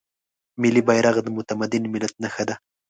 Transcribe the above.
ملي بیرغ د متمدن ملت نښه ده.